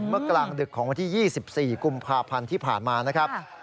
กลางดึกของวันที่๒๔กุมภาพันธ์ที่ผ่านมานะครับ